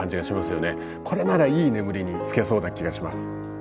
これならいい眠りにつけそうな気がします。